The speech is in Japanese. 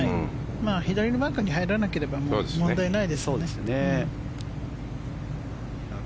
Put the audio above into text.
左のバンカーに入らなければ問題ないですね。